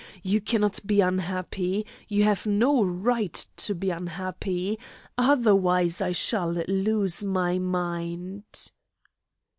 You cannot be unhappy; you have no right to be unhappy! Otherwise I shall lose my mind."